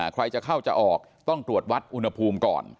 ใครจะเข้าจะออกต้องตรวจวัดอุณหภูมิก่อน